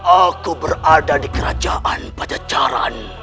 aku berada di kerajaan pajajaran